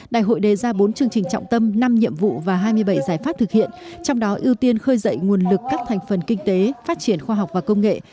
đại hội đề ra bốn chương trình trọng tâm năm nhiệm vụ và hai mươi bảy giải pháp thực hiện trong đó ưu tiên khơi dậy nguồn lực các thành phần kinh tế phát triển khoa học và công nghệ